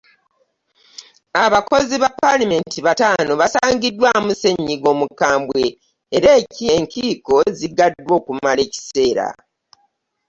Abakozi ba Paalamenti bataano basangiddwamu Omukambwe era enkiiko ziggaddwa okumala ekiseera ekitannategeerekeka